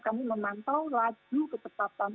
kami memantau laju ketetapan